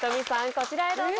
こちらへどうぞ。